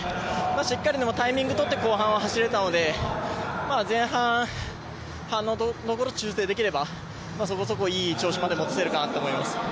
しっかり、タイミングを取って後半は走れたので前半、反応のところを調整できればそこそこいい調子戻せるかなと思います。